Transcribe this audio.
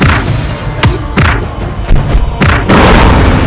aku mengaku kalah